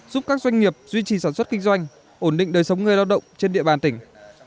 giúp các doanh nghiệp duy trì sản xuất kinh doanh ổn định đời sống người lao động trên địa bàn tỉnh